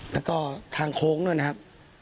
แล้วก็ทางโค้งด้วยนะครับ